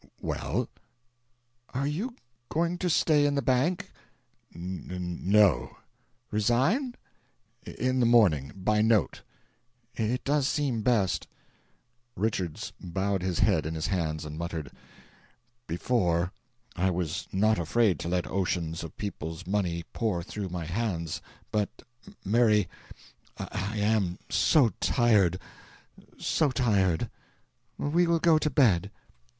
"Well?" "Are you going to stay in the bank?" "N no." "Resign?" "In the morning by note." "It does seem best." Richards bowed his head in his hands and muttered: "Before I was not afraid to let oceans of people's money pour through my hands, but Mary, I am so tired, so tired " "We will go to bed."